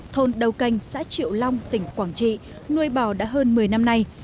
thôn đầu canh xã triệu long tỉnh quảng trị nuôi bò đã hơn một mươi năm nay